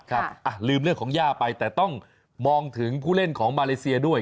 ลืมเรื่องของย่าไปแต่ต้องมองถึงผู้เล่นของมาเลเซียด้วย